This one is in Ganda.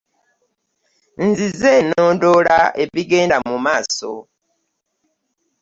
Nzize nnondoola ebigenda mu maaso.